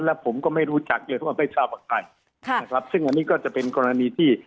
และผมก็ไม่รู้จักหรือว่าไม่ทราบกับใครซึ่งอันนี้ก็จะเป็นกรณีที่